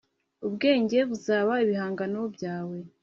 ubwenge buzaba ibihangano byawe